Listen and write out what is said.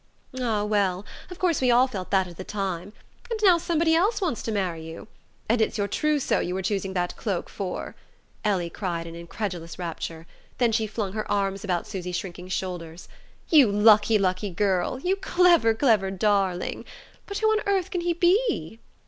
"Ah, well of course we all felt that at the time. And now somebody else wants to marry you! And it's your trousseau you were choosing that cloak for?" Ellie cried in incredulous rapture; then she flung her arms about Susy's shrinking shoulders. "You lucky lucky girl! You clever clever darling! But who on earth can he be?"